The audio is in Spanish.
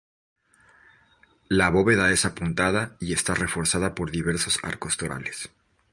La bóveda es apuntada y está reforzada por diversos arcos torales.